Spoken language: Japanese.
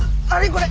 これ！